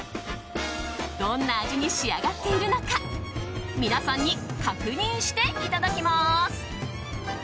どんな味に仕上がっているのか皆さんに確認していただきます。